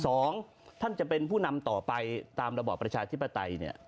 สองท่านจะเป็นผู้นำต่อไปตามระบอบประชาธิปไตยเนี่ย